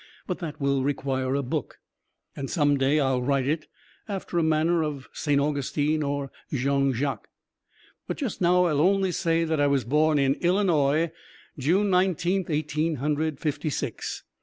But that will require a book and some day I'll write it, after the manner of Saint Augustine or Jean Jacques. But just now I 'll only say that I was born in Illinois, June Nineteenth, Eighteen Hundred Fifty six.